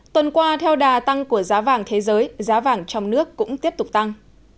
tuần qua theo đà tăng của giá vàng thế giới giá vàng trong nước cũng tiếp tục tăng